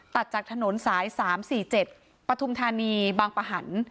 ตัดจากถนนสาย๓๔๗ปฐุมธานีบางปะหัน